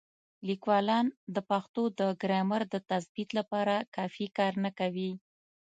لیکوالان د پښتو د ګرامر د تثبیت لپاره کافي کار نه کوي.